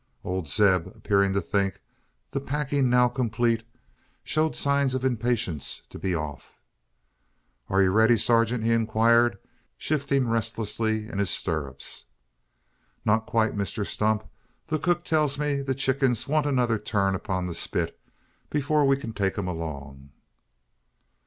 Old Zeb appearing to think the packing now complete, showed signs of impatience to be off. "Ain't ye riddy, surgint?" he inquired, shifting restlessly in his stirrups. "Not quite, Mr Stump. The cook tells me the chickens want another turn upon the spit, before we can take 'em along."